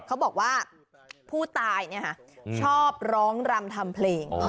เขาบอกว่าผู้ตายชอบร้องรำทำเพลง